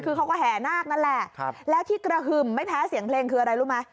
คือเขาก็แห่นาคนั่นแหละแล้วที่กระหึ่มไม่แพ้เสียงเพลงคืออะไรรู้ไหม